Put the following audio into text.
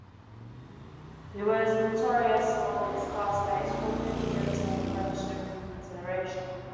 He was notorious among his classmates from whom he obtained friendship and consideration.